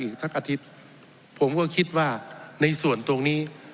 อีกสักอาทิตย์ผมก็คิดว่าในส่วนตรงนี้